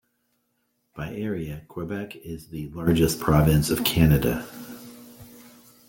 By area, Quebec is the largest province of Canada.